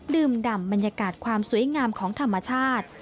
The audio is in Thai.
ดื่มดำบรรยากาศความสวยงามของธรรมชาติ